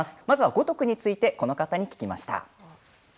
五徳についてこの方に聞きました。